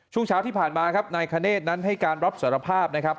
ช่วงเช้าที่ผ่านมาครับนายคเนธนั้นให้การรับสารภาพนะครับ